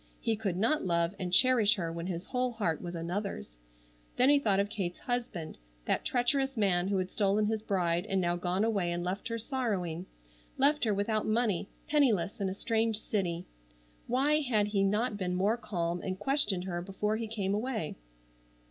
He could not love and cherish her when his whole heart was another's. Then he thought of Kate's husband, that treacherous man who had stolen his bride and now gone away and left her sorrowing—left her without money, penniless in a strange city. Why had he not been more calm and questioned her before he came away.